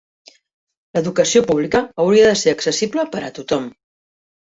L'educació pública hauria de ser accessible per a tothom.